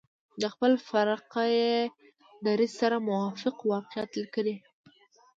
د خپل فرقه يي دریځ سره موافق واقعات لیکلي.